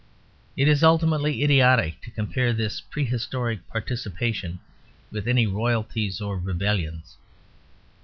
It is ultimately idiotic to compare this prehistoric participation with any royalties or rebellions.